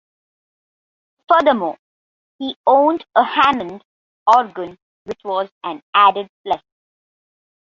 Furthermore, he owned a Hammond organ, which was an added plus.